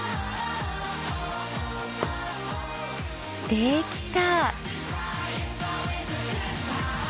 できた！